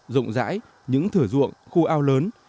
rộng rãi những thửa ruộng khu ao lớn